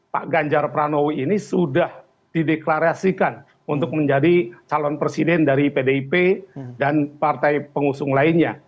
pak ganjar pranowo ini sudah dideklarasikan untuk menjadi calon presiden dari pdip dan partai pengusung lainnya